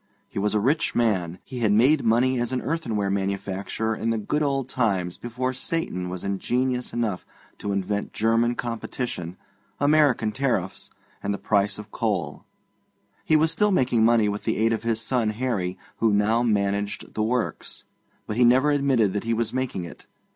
He was a rich man; he had made money as an earthenware manufacturer in the good old times before Satan was ingenious enough to invent German competition, American tariffs, and the price of coal; he was still making money with the aid of his son Harry, who now managed the works, but he never admitted that he was making it.